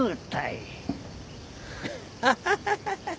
ハハハハ。